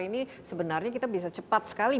ini sebenarnya kita bisa cepat sekali